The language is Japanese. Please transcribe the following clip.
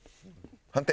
判定。